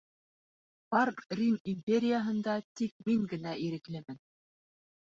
Бар Рим империяһында тик мин генә иреклемен.